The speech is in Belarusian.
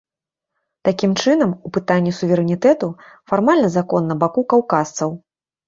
Такім чынам, у пытанні суверэнітэту фармальна закон на баку каўказцаў.